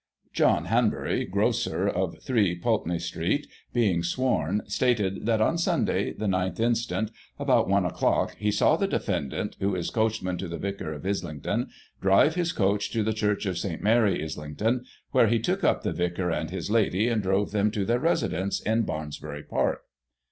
John Hanbury, grocer, of 3, Pulteney Street, being sworn, stated that, on Sunday, the 9th inst., about i o'clock, he saw the defendant, who is coachman to the vicar of Islington, drive his coach to the Church of St. Mary, Islington, where he Digitized by Google 1839] SUNDAY TRADING. 99 took up the vicar and his lady, and drove them to their resi dence in Bajnsbury Park.